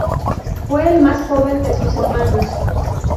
Fue el más joven de sus hermanos.